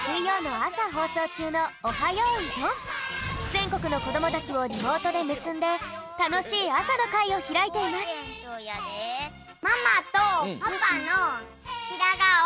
ぜんこくのこどもたちをリモートでむすんでたのしいあさのかいをひらいていますアハハハハッ！